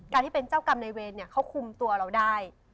ที่เป็นเจ้ากรรมในเวรเนี่ยเขาคุมตัวเราได้